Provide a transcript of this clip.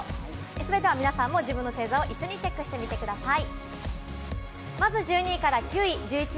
それでは皆さんも自分の星座を一緒にチェックしてみてください。